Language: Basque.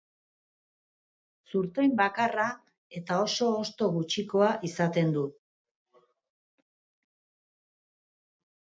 Zurtoin bakarra eta oso hosto gutxikoa izaten du.